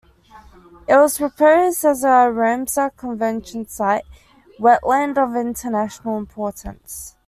It was proposed as a "Ramsar Convention site - Wetland of International importance".